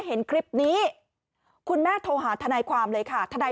คดีของคุณบอสอยู่วิทยาคุณบอสอยู่วิทยาคุณบอสอยู่ความเร็วของรถเปลี่ยน